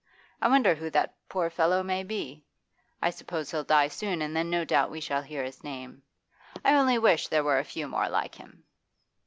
I wonder who that poor fellow may be? I suppose he'll die soon, and then no doubt we shall hear his name. I only wish there were a few more like him.